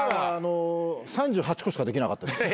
３８個しかできなかった。